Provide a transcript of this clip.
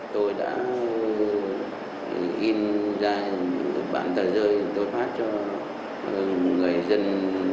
tôi đã in ra bản tờ rơi tôi phát cho người dân